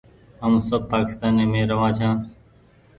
هم سب پآڪيستاني مينٚ رهوآن ڇآن